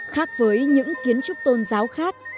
khác với những kiến trúc tôn giáo khác